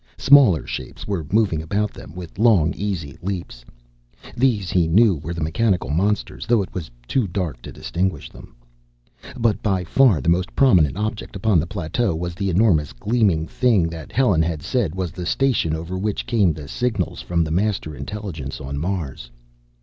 Smaller shapes were moving about them, with long easy leaps. These, he knew, were the mechanical monsters, though it was too dark to distinguish them. But by far the most prominent object upon the plateau was the enormous gleaming thing that Helen had said was the station over which came the signals from the Master Intelligence on Mars.